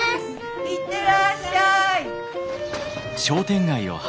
行ってらっしゃい。